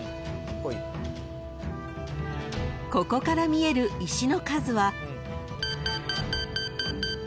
［ここから見える石の数は］